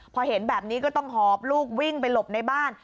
พอเห็นแบบนี้ก็ต้องหอบลูกวิ่งไปหลบในบ้าน